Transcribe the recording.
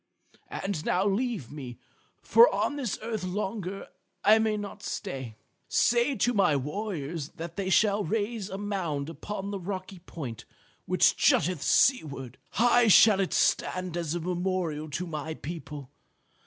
And now leave me, for on this earth longer I may not stay. Say to my warriors that they shall raise a mound upon the rocky point which jutteth seaward. High shall it stand as a memorial to my people.